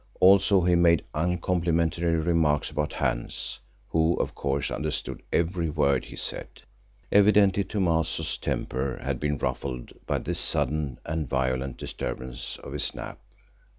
Also he made uncomplimentary remarks about Hans, who of course understood every word he said. Evidently Thomaso's temper had been ruffled by this sudden and violent disturbance of his nap.